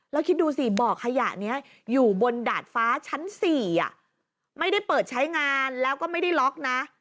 แล้วคิดดูสิบ่อขยะนี้อยู่บนดาดฟ้าชั้น๔ไม่ได้เปิดใช้งานแล้วก็ไม่ได้ล็อกนะ